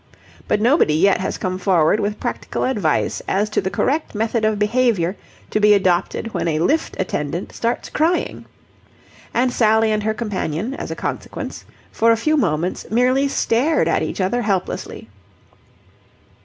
But nobody yet has come forward with practical advice as to the correct method of behaviour to be adopted when a lift attendant starts crying. And Sally and her companion, as a consequence, for a few moments merely stared at each other helplessly.